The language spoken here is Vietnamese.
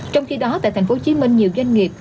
trong khi đó tại tp hcm nhiều doanh nghiệp